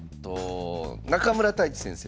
中村太地先生。